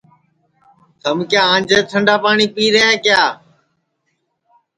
تھم کیا آنجے ٹھنڈا پاٹؔی پیرے ہے کیا